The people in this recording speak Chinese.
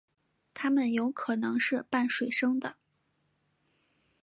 它们有可能是半水生的。